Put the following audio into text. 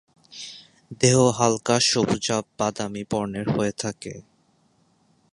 দেহ হালকা সবুজাভ-বাদামী বর্ণের হয়ে থাকে।